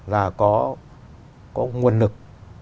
là có nguồn lực